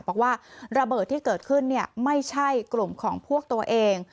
บอกว่าระเบิดที่เกิดขึ้นไม่ใช่กลุ่มของพวกตัวเอง